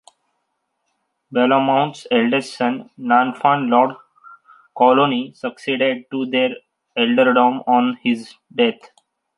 Bellomont's eldest son, Nanfan, Lord Coloony, succeeded to the earldom on his death.